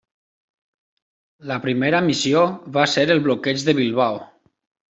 La primera missió va ser el bloqueig de Bilbao.